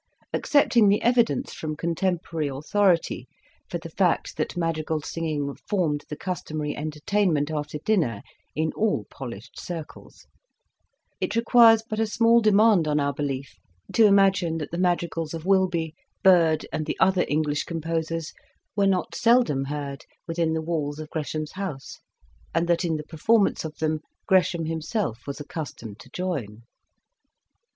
Accepting the evidence from contemporary authority for the fact that madrigal singing formed the custom ary entertainment after dinner in all polished circles, it requires but a small demand on our belief to imagine that the madrigals of Wilbye, Byrd, and the other English composers were not seldom heard within the walls of Gresham's house, and that in the performance of them, Gresham himself was accustomed to join.